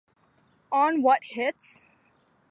On What Hits!?